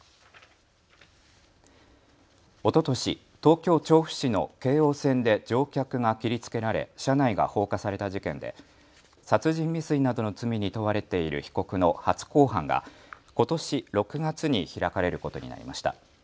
おととし、東京調布市の京王線で乗客が切りつけられ車内が放火された事件で殺人未遂などの罪に問われている被告の初公判がことし６月に開かれることになりました。